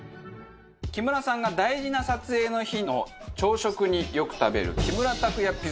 木村さんが大事な撮影の日の朝食によく食べる木村拓哉